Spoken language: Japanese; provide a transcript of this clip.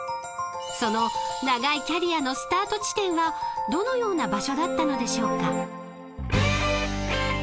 ［その長いキャリアのスタート地点はどのような場所だったのでしょうか？］